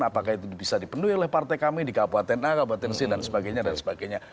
apakah itu bisa dipenuhi oleh partai kami di kabupaten a kabupaten c dan sebagainya dan sebagainya